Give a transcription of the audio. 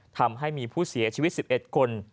ทำให้มีผู้เสียชีวิต๑๑คน